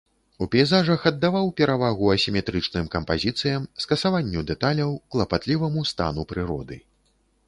У пейзажах аддаваў перавагу асіметрычным кампазіцыям, скасаванню дэталяў, клапатліваму стану прыроды.